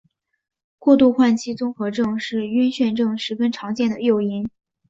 过度换气综合症是晕眩症十分常见的诱因。